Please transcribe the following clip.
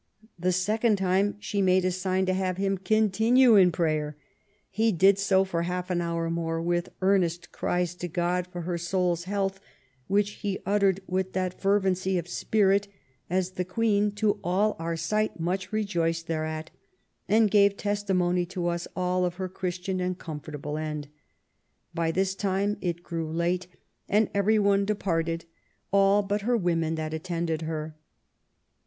The second time she made a sign to have him continue in prayer. He did so for half an hour more, with earnest cries to God for her soul's health, which he uttered with that fervency of spirit, as the Queen to all our sight much rejoiced thereat, and gave testimony to us all of her Christian and comfortable end. By this time it g^ew late, and every one departed, all but her women that attended her."